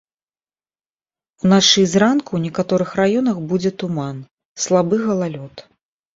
Уначы і зранку ў некаторых раёнах будзе туман, слабы галалёд.